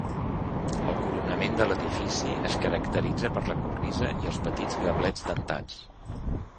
El coronament de l'edifici es caracteritza per la cornisa i els petits gablets dentats.